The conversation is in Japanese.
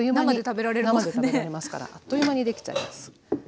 生で食べられますからあっという間にできちゃいます。